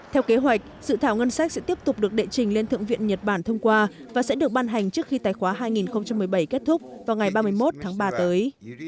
theo kế hoạch dự thảo ngân sách sẽ tiếp tục được đệ trình lên thượng viện nhật bản thông qua và sẽ được ban hành trước khi tài khoá hai nghìn một mươi bảy kết thúc vào ngày ba mươi một tháng ba tới